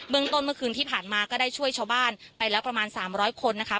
ต้นเมื่อคืนที่ผ่านมาก็ได้ช่วยชาวบ้านไปแล้วประมาณ๓๐๐คนนะคะ